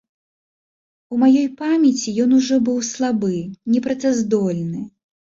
У маёй памяці ён ужо быў слабы, непрацаздольны.